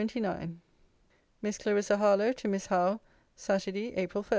LETTER XXIX MISS CLARISSA HARLOWE, TO MISS HOWE SATURDAY, APRIL 1.